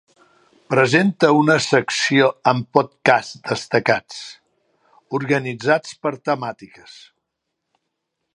Presenta una secció amb podcasts destacats, organitzats per temàtiques.